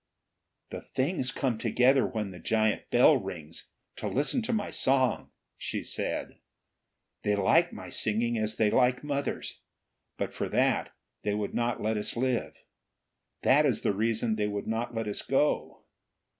"The Things come together when the giant bell rings, to listen to my song," she said. "They like my singing, as they liked mother's. But for that, they would not let us live. That is the reason they would not let us go."